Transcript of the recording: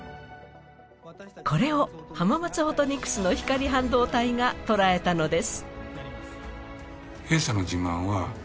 これを浜松ホトニクスの光半導体が捉えたのです。